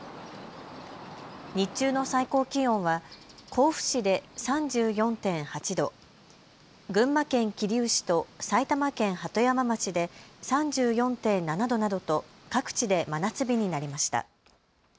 日中の最高気温は甲府市で３４．８度、群馬県桐生市と埼玉県鳩山町で３４．７度などと各地で真夏日になりました。